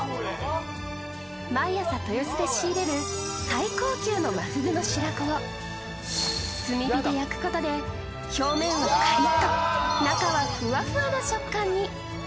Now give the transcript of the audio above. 毎朝豊洲で仕入れる最高級のマフグの白子と炭火で焼くことで表面はカリット中はフワフワの食感に。